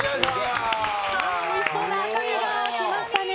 おいしそうな赤身が来ましたね。